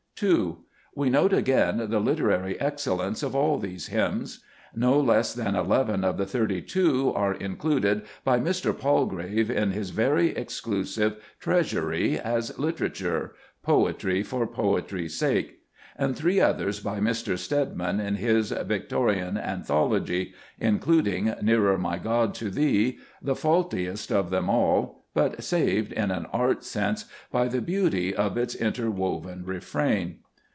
2. We note again the literary excellence of all these hymns. No less than eleven of the thirty two are included by Mr. Palgrave in flnttoDuctton. his very exclusive "Treasury" as literature, u poetry for poetry's sake " J and three others by Mr. Stedman in his "Victorian An thology" (including "Nearer, my God, to Thee," the faultiest of them all, but saved, in an art sense, by the beauty of its interwoven refrain).